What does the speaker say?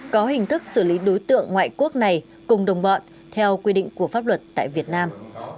có hình thức xử lý đối tượng ngoại quốc này cùng đồng bọn theo quy định của pháp luật tại việt nam